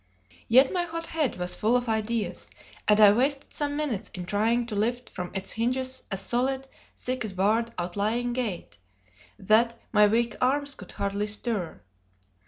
Yet my hot head was full of ideas; and I wasted some minutes in trying to lift from its hinges a solid, six barred, outlying gate, that my weak arms could hardly stir.